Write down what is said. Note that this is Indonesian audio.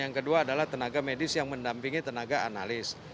yang kedua adalah tenaga medis yang mendampingi tenaga analis